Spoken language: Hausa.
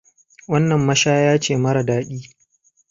Wannan mashaya ce mara daɗi.